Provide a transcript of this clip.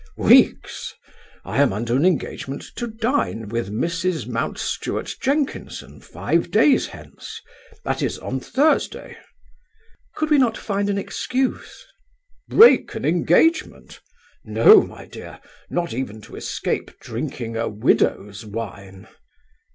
"Weeks! I am under an engagement to dine with Mrs Mountstuart Jenkinson five days hence: that is, on Thursday." "Could we not find an excuse?" "Break an engagement? No, my dear, not even to escape drinking a widow's wine."